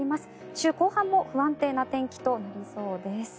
週後半も不安定な天気となりそうです。